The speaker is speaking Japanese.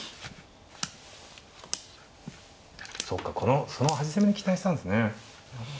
そうかその端攻めに期待したんですね。